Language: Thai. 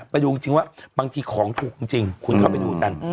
ไปดูจริงว่าบางทีของถูกจริงคุณเข้าไปดูกัน